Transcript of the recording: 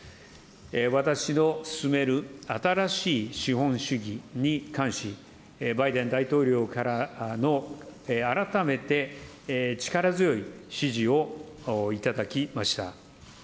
私の進める新しい資本主義に関し、バイデン大統領からの改めて力強い支持を頂きました。